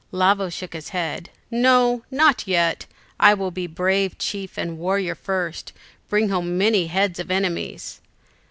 Lavo shook his head. "No, not yet; I will be brave chief and warrior first, bring home many heads of enemies."